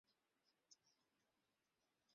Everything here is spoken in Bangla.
আমাকে বহু দূর যেতে হবে।